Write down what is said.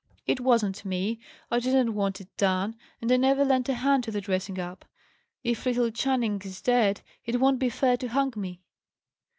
"It wasn't me! I didn't want it done, and I never lent a hand to the dressing up. If little Channing is dead, it won't be fair to hang me."